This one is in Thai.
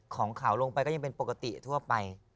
ของเขาลงไปก็ยังเป็นปกติทั่วไป